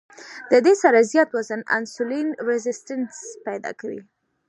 د دې سره زيات وزن انسولين ريزسټنس پېدا کوي